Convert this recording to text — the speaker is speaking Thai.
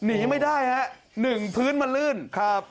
หนีไม่ได้ฮะหนึ่งพื้นมันลื่นครับ